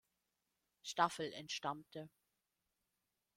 Staffel entstammte.